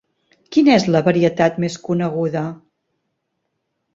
Quina és la varietat més coneguda?